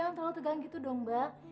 jangan terlalu tegang gitu dong mbak